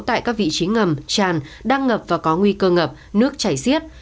tại các vị trí ngầm tràn đang ngập và có nguy cơ ngập nước chảy xiết